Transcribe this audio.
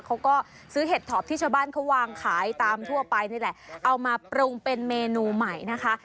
เขาก็ซื้อเห็ดถอบที่ชาวบ้านเขาวางขายตามทั่วไปนี่แหละเอามาปรุงเป็นเมนูใหม่นะคะ